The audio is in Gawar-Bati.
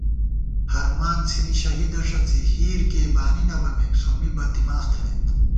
ہرمان څِھنی شہیدہ ݭڅی ہِیرکېئی بانی نہ بَمېک سومّی بد دِماغ تھنَئیت